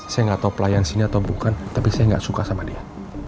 saya gak tau pelayan sini atau bukan tapi saya gak suka sama dia